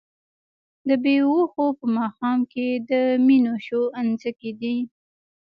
د بــــــې هــــــوښو په ماښام کي د مینوشو انځکی دی